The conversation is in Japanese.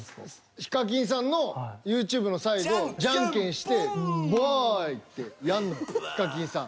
ＨＩＫＡＫＩＮさんのＹｏｕＴｕｂｅの最後ジャンケンして「バイ！」ってやんのＨＩＫＡＫＩＮさん。